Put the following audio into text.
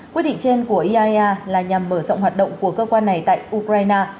quyết định trên của iaea là nhằm mở rộng hoạt động của cơ quan này tại ukraine